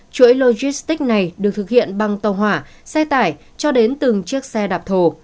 chuỗi logistics này được thực hiện bằng tàu hỏa xe tải cho đến từng chiếc xe đạp thổ